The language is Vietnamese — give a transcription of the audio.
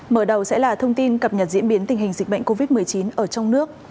mở đầu sẽ là thông tin cập nhật diễn biến tình hình dịch bệnh covid một mươi chín ở trong nước